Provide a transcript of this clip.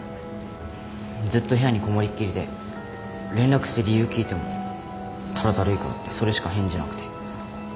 ずっと部屋にこもりっきりで連絡して理由聞いてもただだるいからってそれしか返事なくて。